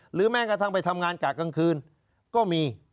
แม้กระทั่งไปทำงานกะกลางคืนก็มี